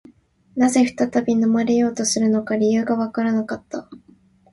何故再び飲まれようとするのか、理由がわからなかった